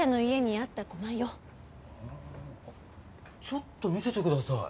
ちょっと見せてください。